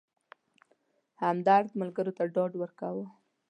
همدرد ملګرو ته ډاډ ورکاوه.